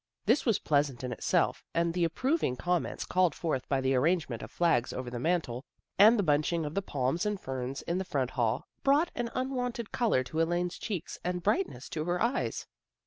This was pleasant in itself, and the approving comments called forth by the arrangement of flags over the mantel, and the bunching of the palms and ferns in the front hall, brought an unwonted color to Elaine's cheeks and brightness to her eyes.